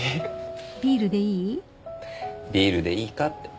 ビールでいいかって。